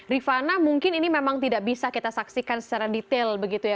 rifana mungkin ini memang tidak bisa kita saksikan secara detail begitu ya